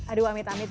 aduh amit amit ya